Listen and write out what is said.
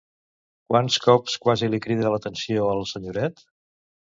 Quants cops quasi li crida l'atenció al senyoret?